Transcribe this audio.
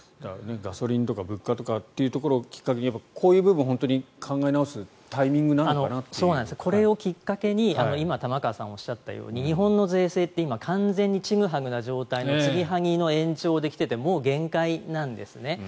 ガソリンとか物価というところをきっかけにこういう部分を考え直すこれをきっかけに今、玉川さんがおっしゃったように日本の税制って今、完全にちぐはぐな状態に来ていてもう限界なんですね。